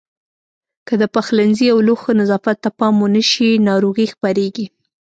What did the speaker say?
که د پخلنځي او لوښو نظافت ته پام ونه شي ناروغۍ خپرېږي.